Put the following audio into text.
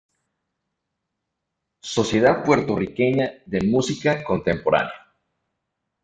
Sociedad Puertorriqueña de Música Contemporánea.